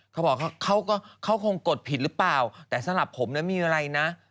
เขาบอกเขาก็เขาคงกดผิดหรือเปล่าแต่สำหรับผมนะมีอะไรนะ